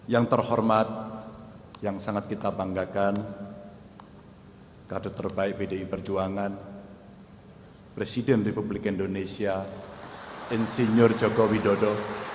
yang terhormat yang sangat kita banggakan kader terbaik pdi perjuangan presiden republik indonesia insinyur joko widodo